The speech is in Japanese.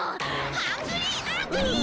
ハングリーアングリー！